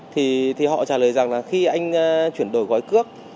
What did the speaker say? thì họ trả lời rằng là khi anh chuyển đổi gói cước